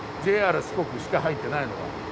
ＪＲ四国しか入ってないのが。